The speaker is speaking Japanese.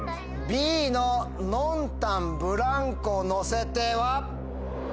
Ｂの『ノンタンぶらんこのせて』は。